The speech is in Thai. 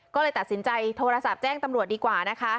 ก็เลยตัดสินใจโทรศัพท์แจ้งตำรวจดีกว่านะคะ